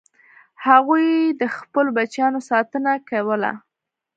هغوی د خپلو بچیانو ساتنه کوله.